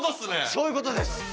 そういう事です。